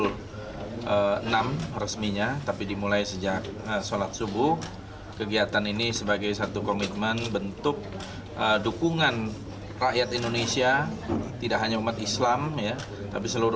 pertama kita akan mengundang pimpinan dan anggota dewan untuk hadir dalam aksi tersebut